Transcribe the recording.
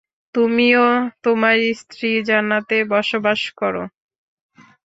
তুমি ও তোমার স্ত্রী জান্নাতে বসবাস কর।